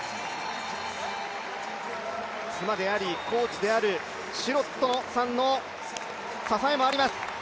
妻であり、コーチであるシュロットさんの支えもあります。